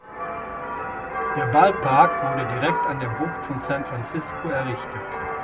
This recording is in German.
Der Ballpark wurde direkt an der Bucht von San Francisco errichtet.